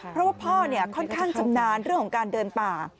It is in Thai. เพราะว่าพ่อค่อนข้างชำนาญเรื่องของการเดินป่า